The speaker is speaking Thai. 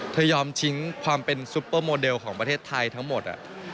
ยอมทิ้งความเป็นซุปเปอร์โมเดลของประเทศไทยทั้งหมด